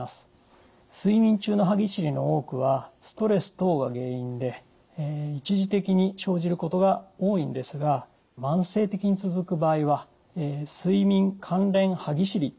睡眠中の歯ぎしりの多くはストレス等が原因で一時的に生じることが多いんですが慢性的に続く場合は睡眠関連歯ぎしりという病気の可能性があります。